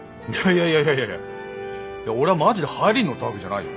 いやいやいやいや俺はマジで流行に乗ったわけじゃないよ。